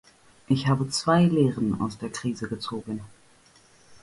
Ich habe zwei Lehren aus der Krise gezogen.